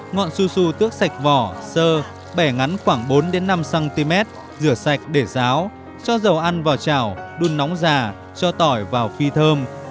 ngọn su su tước sạch vỏ sơ bẻ ngắn khoảng bốn năm cm rửa sạch để ráo cho dầu ăn vào chảo đun nóng già cho tỏi vào phi thơm